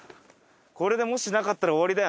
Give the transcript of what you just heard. これでもしなかったら終わりだよ。